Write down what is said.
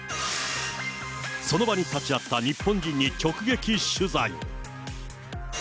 その場に立ち会った日本人に直撃取材。